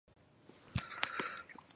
充分发挥主观能动性